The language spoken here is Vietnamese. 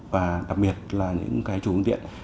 và đặc biệt là những cái chủ phương tiện